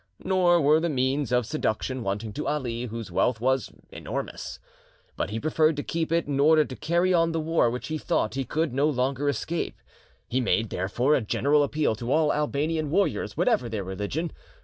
Nor were the means of seduction wanting to Ali, whose wealth was enormous; but he preferred to keep it in order to carry on the war which he thought he could no longer escape. He made, therefore, a general appeal to all Albanian warriors, whatever their religion.